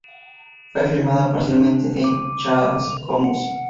Fue filmada parcialmente en Chascomús.